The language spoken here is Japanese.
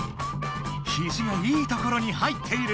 ひじがいいところに入っている！